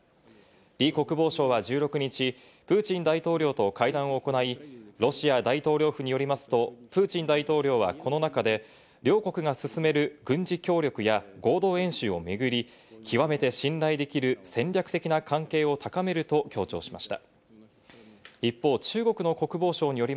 リ国防相は１６日、プーチン大統領と会談を行い、ロシア大統領府によりますと、プーチン大統領は両国が進める軍事協力や合同演習をめぐり、極めて信頼できる戦略的な関係を高めると強調しました。